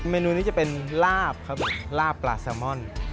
เนนูนี้จะเป็นลาบครับผมลาบปลาแซลมอน